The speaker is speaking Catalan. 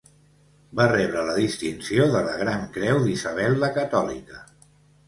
Va rebre la distinció de la Gran Creu d'Isabel la Catòlica.